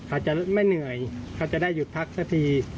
อาจจะไม่เหนื่อยเขาจะได้หยุดพักสักที